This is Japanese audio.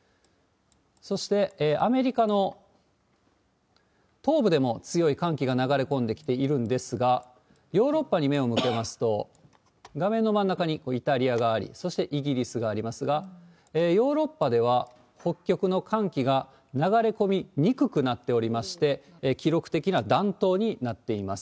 そして、アメリカの東部でも強い寒気が流れ込んできているんですが、ヨーロッパに目を向けますと、画面の真ん中にイタリアがあり、そしてイギリスがありますが、ヨーロッパでは、北極の寒気が流れ込みにくくなっておりまして、記録的な暖冬になっています。